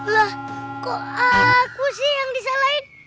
loh kok aku sih yang disalahin